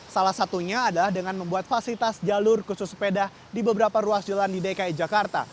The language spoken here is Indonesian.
salah satunya adalah dengan membuat fasilitas jalur khusus sepeda di beberapa ruas jalan di dki jakarta